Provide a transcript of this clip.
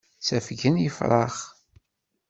Ttafgen yefṛax.